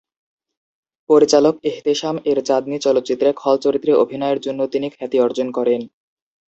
পরিচালক এহতেশাম-এর চাঁদনী চলচ্চিত্রে খল চরিত্রে অভিনয়ের জন্য তিনি খ্যাতি অর্জন করেন।